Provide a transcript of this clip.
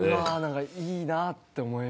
いいなって思いますね